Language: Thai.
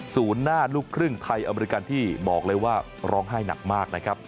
หน้าลูกครึ่งไทยอเมริกันที่บอกเลยว่าร้องไห้หนักมากนะครับ